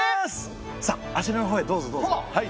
さああちらのほうへどうぞどうぞ。